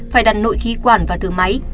phải đặt nội khí quản và thử máy